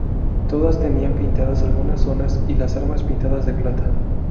Todas tenían pintadas algunas zonas y las armas pintadas de plata.